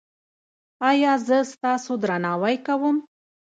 ایا زه ستاسو درناوی کوم؟